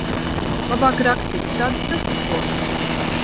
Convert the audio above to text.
Labāk raksti, citādi es nesaprotu!